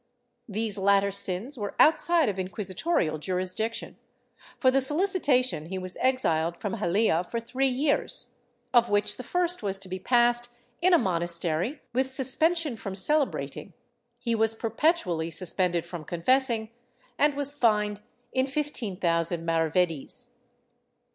These latter sins were outside of inquisitorial jurisdiction; for the solicitation he was exiled from Haifa for three years, of which the first was to be passed in a monastery with suspension from celebrating, he was perpetually suspended from confessing, and was fined in fifteen thousand maravedis.